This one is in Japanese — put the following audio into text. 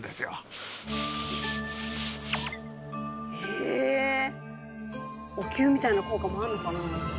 えおきゅうみたいな効果もあるのかな？